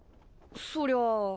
そりゃあ。